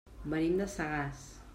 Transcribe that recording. Venim de Sagàs.